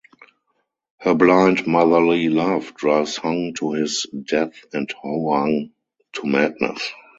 Her blind motherly love drives Hung to his death and Hoang to madness.